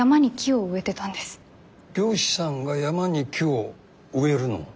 漁師さんが山に木を植えるの？